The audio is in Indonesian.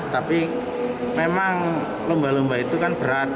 tapi memang lumba lumba itu kan berat